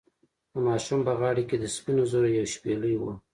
د ماشوم په غاړه کې د سپینو زرو یوه شپیلۍ وه.